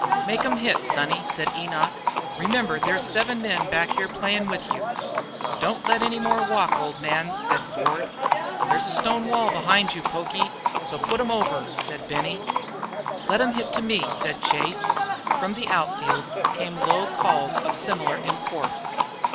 "Make 'em hit, sonny," said Enoch, "Remember there's seven men back here playin' with you." "Don't let any more walk, old man," said Ford. "There's a stone wall behind you, Pokie, so put 'em over," said Benny. "Let them hit to me," said Chase. From the out field came low calls of similar import.